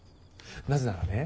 なぜならね